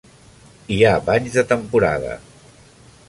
Hi ha banys de temporada.